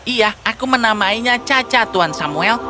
iya aku menamainya caca tuan samuel